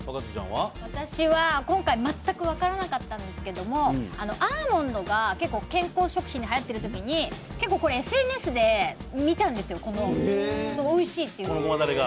私は今回、全く分からなかったんですけどアーモンドが結構、健康食品ではやっているときに結構これ、ＳＮＳで見たんですよ、おいしいというのを。